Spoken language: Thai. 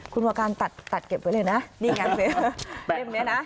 คุณหัวราการตัดเก็บไว้เลยนะ